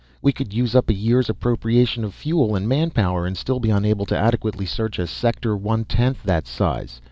We could use up a year's appropriation of fuel and manpower and still be unable to adequately search a sector one tenth that size.